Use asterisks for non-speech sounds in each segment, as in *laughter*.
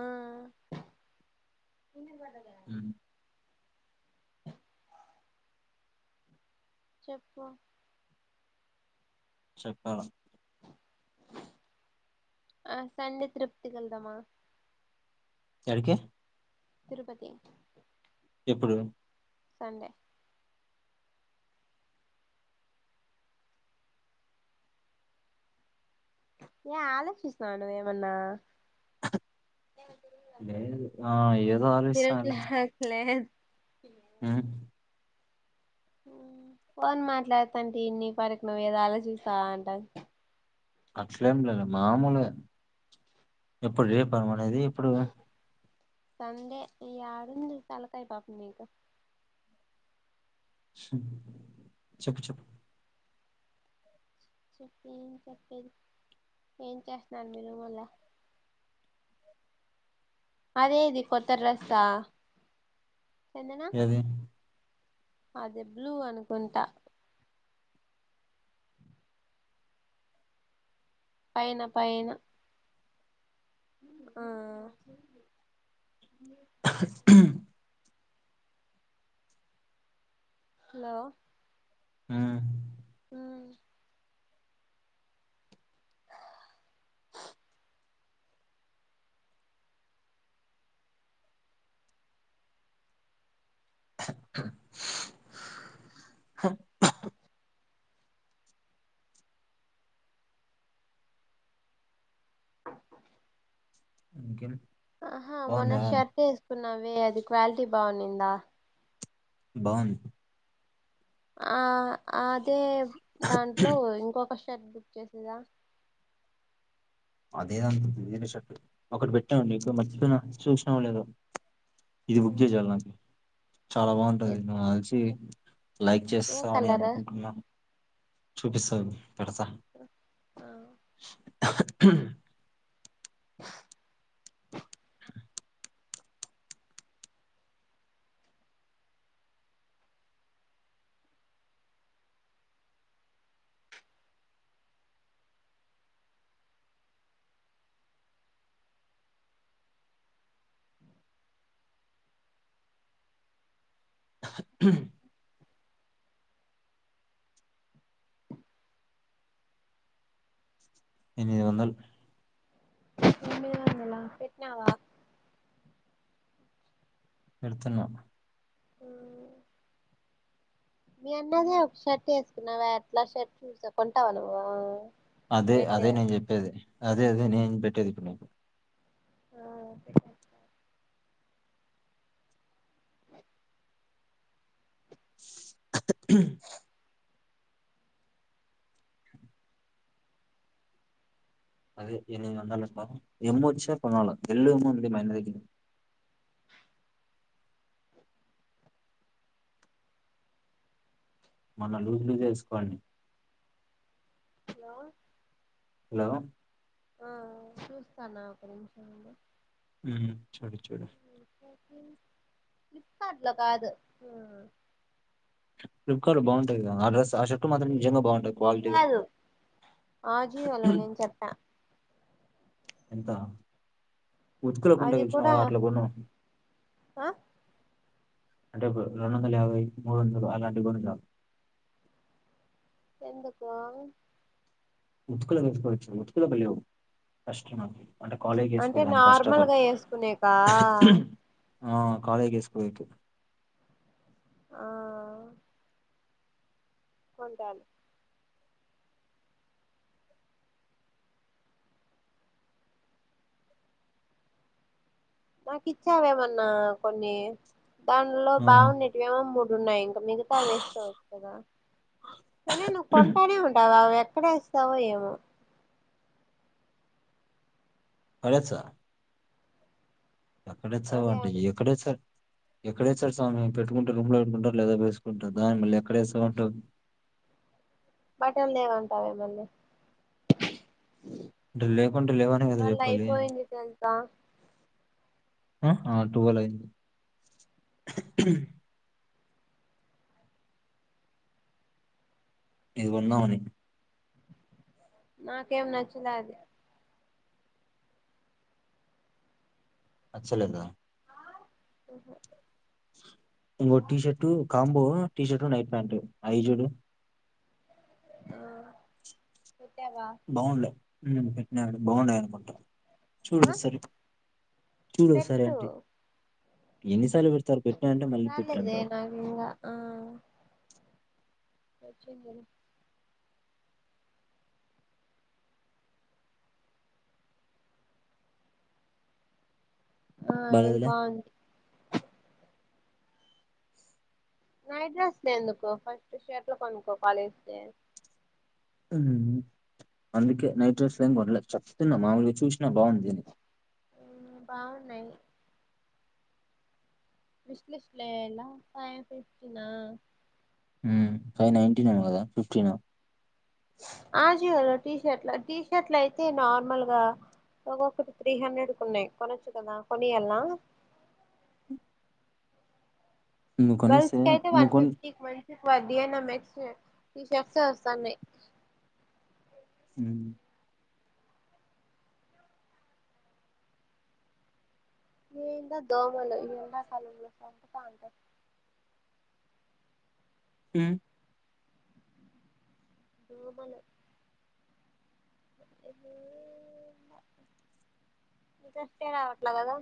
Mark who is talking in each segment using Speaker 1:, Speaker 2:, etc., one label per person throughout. Speaker 1: ఊ ఇన్న పడగా
Speaker 2: హ్మ్
Speaker 1: చెప్పు
Speaker 2: చెక్కాడ *unintelligible*
Speaker 1: ఆ సండే ట్రిప్ కి వెళ్దామా
Speaker 2: ఎక్కడికి
Speaker 1: తిరుపతి
Speaker 2: ఎప్పుడు
Speaker 1: సండే ఏ ఆలోచిస్తాను ఏమన్నా
Speaker 2: ఏ ఆ ఏదో ఆలోచిస్తున్నాలే
Speaker 1: తిరగట్లేదు
Speaker 2: ఉ
Speaker 1: ఫోన్ మాట్లాడతాంటడి నీ పార్టీకి నువ్వు ఏదో ఆలోచిస్తున్న *unintelligible* అంటా
Speaker 2: అట్లేం లేదు మామూలు ఎప్పుడు రేప అనేది ఇప్పుడు
Speaker 1: సండే డుసాలకాయ బాపు మీకు *unintelligible*
Speaker 2: చెప్పు చెప్పు
Speaker 1: చెప్పిం చెప్పేది ఏం చేస్తున్నారు మీరు మళ్ళా అదే ఇది కొత్త డ్రెస్ ఆ
Speaker 2: ఎది
Speaker 1: అదే బ్లూ అనుకుంటా పైన పైన ఆ హలో
Speaker 2: ఆ ఇంకేను
Speaker 1: ఆహా మొన్న షర్ట్ కున్నావే అది క్వాలిటీ బాగున్నిందా
Speaker 2: బావున్
Speaker 1: ఆ అ అదే దాంట్లో ఇంకొక ట్ బుక్ చేసేదా
Speaker 2: అదేదంత వేరే షట్టు ఒకటి పెట్టామండి ఇప్పుడు మర్చిపోయిన చూసినావు లేద ఇది ఉగ్గే చాలు నాకి చాలా బాగుంటది నువ్వు నాకు తెలిసి లైక్
Speaker 1: ఏ
Speaker 2: చేస్తావని
Speaker 1: కలర్
Speaker 2: అనుకుంటున్నా చూపిస్త పెడతా
Speaker 1: ఆ
Speaker 2: ఎనిమిది వందల్
Speaker 1: ఎనిమిది వందల పెట్నావా
Speaker 2: పెడ్తున్న
Speaker 1: మీ అన్నది ఒక షర్ట్ వేసుకున్నావె అట్లా షర్ట్ చూస కొంటావ నువ్వు
Speaker 2: అదే
Speaker 1: రెడ్
Speaker 2: అదే నేను చెప్పేది అదే అదే నే పెట్టేది ఇప్పుడు నీకు
Speaker 1: ఆ
Speaker 2: అదే ఎనిమిది వందలు ఏం వచ్చిన కొనాల వెెల్లూము ఉంది మా అన్న దగ్గర మన లూజ్ లూజ్ వేసుకోంటి
Speaker 1: హలో
Speaker 2: హలో
Speaker 1: ఆ చూస్తాను ఒక నిమిషం ఉండు
Speaker 2: చూడు చూడు
Speaker 1: ఫ్లిప్కార్టులో కాదు
Speaker 2: ఫ్లిప్కార్ట్ లో బాగుంటయి కదా ఆ డ్రెస్ ఆ షర్ట్ మాత్రం నిజంగా బాగుంటాయి క్వాలిటీ
Speaker 1: కాదు ఆజియోలో నేను చెప్పా
Speaker 2: ఎంత ఉతుకులకు ఉంటాయి
Speaker 1: అది కూడా
Speaker 2: చూసినవా అట్ల కొను
Speaker 1: ఆ
Speaker 2: అంటే రెండు వందల యాభై మూడు వందలు అలాంటి కొను ఇక
Speaker 1: ఎందుకు
Speaker 2: ఉతుకులకు *unintelligible*
Speaker 1: అంటే
Speaker 2: వేసుకోవాలి ఫస్ట్ ఆఫ్ ఆల్
Speaker 1: నార్మల్గా వేసుకునేకా
Speaker 2: ఆ కాలేజీకి వేస్పోయేకి
Speaker 1: ఆ కొంటాను నాకు ఇచ్చావే మొన్నా కొన్ని దానిలో
Speaker 2: ఆ
Speaker 1: బాగున్నటివివేమో మూడు ఉన్నాయి మిగతా వేసుకోవచ్చు కదా అయిన నువు కొంటానే ఉంటావు గవే ఎక్కడ వేస్తావో ఏమో
Speaker 2: పడేస ఎక్కడేచ్చావు
Speaker 1: అదే
Speaker 2: అంటే
Speaker 1: అనిపి
Speaker 2: ఎక్కడ వేస్తారు ఎక్కడ వేస్తారు స్వామి పెట్టుకుంటే రూమ్ లో పెట్కుంటారు లేదా వేసుకుంటారు దాని మళ్ళీ ఎక్కడేస్తావు అంటావు
Speaker 1: బటన్ లేవంటావే మళ్ళీ
Speaker 2: అంటే లేకుంటే లేవనే కదా
Speaker 1: వాళ్ళు
Speaker 2: చెప్పాలి
Speaker 1: అయిపోయింది తెలుసా
Speaker 2: ఆ ట్వెల్వ్ అయింది ఇది కొందామని
Speaker 1: నాకేం నచ్చలే అది
Speaker 2: నచ్చ లేదా
Speaker 1: ఓహో
Speaker 2: ఇంకో T shirt combo T shirt night pant అయి జూడు
Speaker 1: తో
Speaker 2: బావుండలే హ్మ్ పెట్టినాడు బావున్నాయి అనుకుంట చూడు
Speaker 1: ఆ
Speaker 2: ఒకసారి చూడు ఒకసారి
Speaker 1: పెట్టు
Speaker 2: ఆంటి ఎన్ని స ఎన్ని సార్లు పెడతారు పెట్నా అంటే మళ్ళీ పెట్టు
Speaker 1: రాలేదే
Speaker 2: అంటావ్
Speaker 1: నాకు వచ్చిందా ఆ ఇది
Speaker 2: బాలేదులే
Speaker 1: బావుంది నైట్ డ్రెస్ ఎందుకు ఫస్ట్ షర్ట్ కొనుక్కో కాలేజ్ కి
Speaker 2: మ్మ్ అందుకే నైట్ డ్రెస్ లు ఏం కొనలే చెప్తున్న మామూలుగా చూసినా బావుందిని
Speaker 1: బావున్నాయి విశ్లిస్ట్లో ఏయల ఫైవ్ ఫిఫ్టీ నా
Speaker 2: హ్మ్ ఫైవ్ నైన్టీన్ ఏమో కదా ఫిఫ్టీన్ ఓ
Speaker 1: ఆజియో లో టీ షర్ట్ల టీ షర్ట్లు అయితే నార్మల్ గా ఒక్కొక్కటి త్రీ హండ్రెడ్ కు ఉన్నాయి. కొనొచ్చు కదా కొనియాలనా
Speaker 2: నువ్వు కొనిస్తే
Speaker 1: గర్ల్స్ కి అయితే
Speaker 2: నువ్వు
Speaker 1: వన్
Speaker 2: కొని
Speaker 1: ఫిఫ్టీ ఫర్ డిఎల్ ఏం ఎస్ టీ షర్ట్స్ వస్తున్నాయ్
Speaker 2: ఉమ్
Speaker 1: ఏందో దోమలు ఇలా కరుస్ సంపుతంటాయ్
Speaker 2: ఉ
Speaker 1: దోమలు ఇంట్రెస్ట్ ఏ రావట్లే కదా.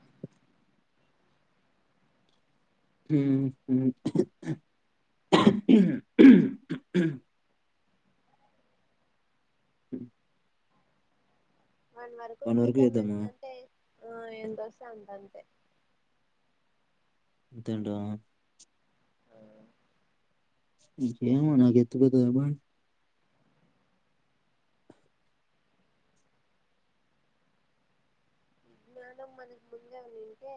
Speaker 2: *unintelligible* ఉ
Speaker 1: వన్ వరకు చూద్దాం ఎందుకంటే ఆ ఎంత అస్తే అంత అంటే
Speaker 2: అంతే అంటవా
Speaker 1: ఆ
Speaker 2: జమన్నాకతుూ క ఎబ *unintelligible*
Speaker 1: ఇదేదో మనకి ముందే ఉన్నింటే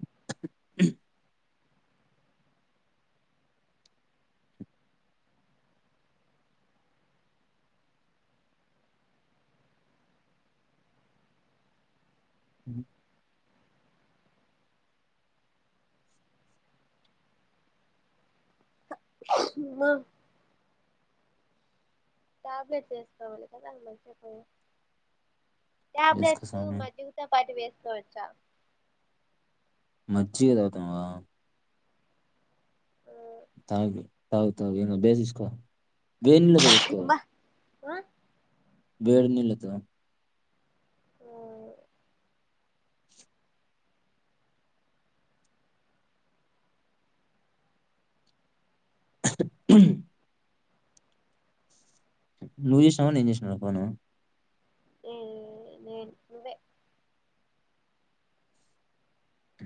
Speaker 2: *unintelligible* ఉ
Speaker 1: అమ్మ టాబ్లెట్ వేసుకోవాలి కదా మజిగతో
Speaker 2: వేసుకో
Speaker 1: టాబ్లెట్
Speaker 2: స్వామి
Speaker 1: మజ్జిగ తో పాటు వేస్ పొయచ్చా
Speaker 2: మజ్జిగా తాగుతనవ తాగు తాగుతాగు ఏదుంటే అదిస్కో వేనిలతో వోస్కో
Speaker 1: అబ్బా ఆ
Speaker 2: వేడ నీలతో
Speaker 1: ఆ
Speaker 2: హ *unintelligible* నువ్ యెష్నవని నేన్ యెష్నా ఓపెను
Speaker 1: ఏ నేన్ నువ్వే
Speaker 2: అ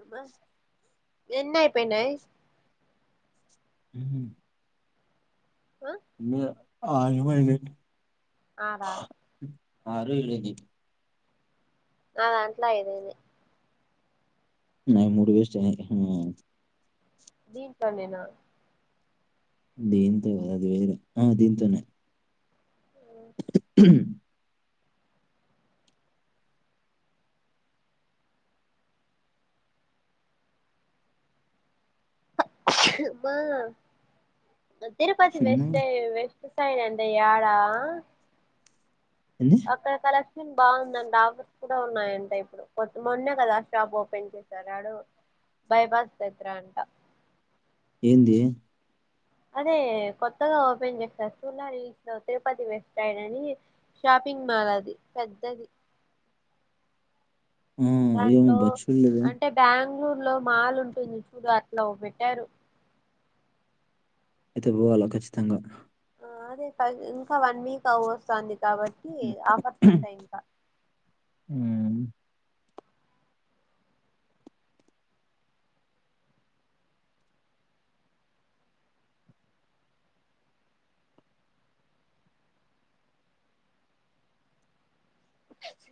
Speaker 1: అమ ఎన్నపనాయ్
Speaker 2: ఉహు మీయ ఆ ఈమనే
Speaker 1: ఆదా
Speaker 2: ఆరు ఎల్ ఇ జి
Speaker 1: నా దాంట్ల ఐదోది
Speaker 2: న మూడు వెస్ట్ ఐంది హా
Speaker 1: దీంట్లనేేనా
Speaker 2: దీంతో అది వేరే ఆ దీంతోనే హ *unintelligible*
Speaker 1: అమ్మా ద తిరుపతి
Speaker 2: అమ్మా
Speaker 1: వెస్టే వెస్ ఉంటాయండి యాడా
Speaker 2: ఏంది
Speaker 1: అక్కడ కల బాగుందంటడి ఆఫర్స్ కూడా ఉన్నాయంట ఇప్పుడు కొ మొన్నే కదా షాప్ ఓపెన్ చేశారడు బైపాస్ దగ్గర అంట
Speaker 2: ఏంది
Speaker 1: అదే కొత్తగా ఓపెన్ చేస్తారు స్తుూలాట్లో *inaudible* తిరుపతి వెస్టైడ్ అని షాపింగ్ మాల్ అది పెద్దది
Speaker 2: ఆ ఏమో
Speaker 1: దాంట్లో
Speaker 2: బచ్చులు లేదే
Speaker 1: అంటే బెంగళూరు మాలు ఉంటుంది చూడు లో పెట్టారు
Speaker 2: అయితే పోవలో ఖచ్చితంగా
Speaker 1: అదే సా ఇంకా వన్ వీక్ అవ్వ వస్తుంది కాబట్టి ఆఫర్స్ ఉంటాయి ఇంకా
Speaker 2: ఉమ్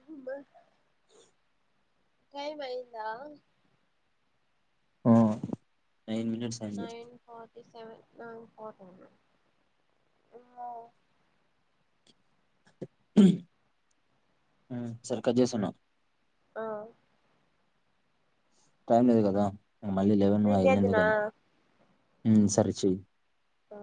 Speaker 1: అమ్మ టైం అయిందా
Speaker 2: ఆ నైన్ మినిట్స్ అయింది
Speaker 1: సేవన్ హా పోతన హా
Speaker 2: సరే కట్ చేస్తున్న
Speaker 1: ఆ
Speaker 2: టైం లేదు గదా మళ్ళీ లెవెన్
Speaker 1: నేను
Speaker 2: ఆయన్ని
Speaker 1: చేద్దునా
Speaker 2: ఎందుకని హు సరే చేయి
Speaker 1: ఆ